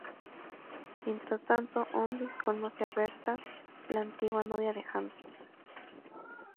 Mientras tanto, Ondine conoce a Bertha, la antigua novia de Hans.